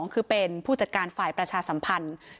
คือเป็นผู้จัดการฝ่ายประชาสัมพันธ์